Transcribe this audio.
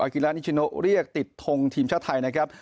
กีฬานิชิโนเรียกติดทงทีมชาติไทยนะครับ